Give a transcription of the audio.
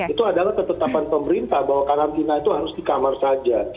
itu adalah ketetapan pemerintah bahwa karantina itu harus di kamar saja